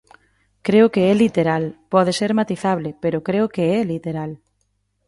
Creo que é literal; pode ser matizable, pero creo que é literal.